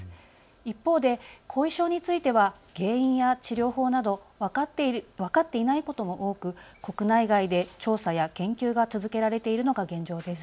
一方で後遺症については原因や治療法など分かっていないことも多く国内外で調査や研究が続けられているのが現状です。